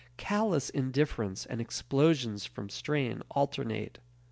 Callous indifference and explosions from strain alternate.